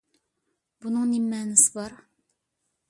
بۇنىڭ نېمە مەنىسى بار؟